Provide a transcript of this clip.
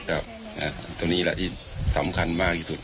ตรงนี้แหละที่สำคัญมากที่สุด